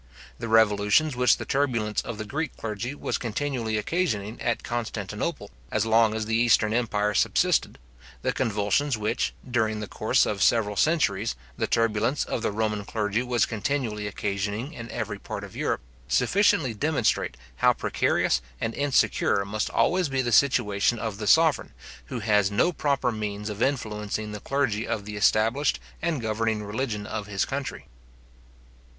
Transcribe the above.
The revolutions which the turbulence of the Greek clergy was continually occasioning at Constantinople, as long as the eastern empire subsisted; the convulsions which, during the course of several centuries, the turbulence of the Roman clergy was continually occasioning in every part of Europe, sufficiently demonstrate how precarious and insecure must always be the situation of the sovereign, who has no proper means of influencing the clergy of the established and governing religion of his country.